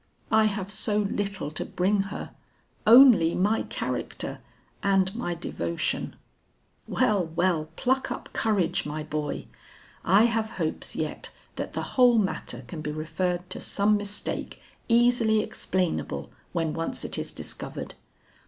I have so little to bring her. Only my character and my devotion." "Well, well, pluck up courage, my boy. I have hopes yet that the whole matter can be referred to some mistake easily explainable when once it is discovered.